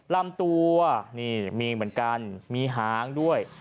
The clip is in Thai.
ลำตัวนี่มีเหมือนกันมีหางด้วย